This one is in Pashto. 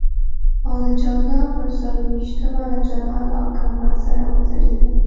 او د جوزا پر څلور وېشتمه له جلال او کمال سره وځلېده.